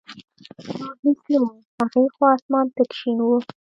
نور هېڅ نه و، هغې خوا اسمان تک شین و.